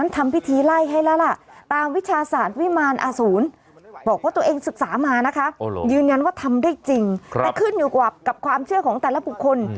ทำหนึ่งว่าทำได้จริงแต่ขึ้นอยู่กับความเชื่อของแต่ละปุ๊บคน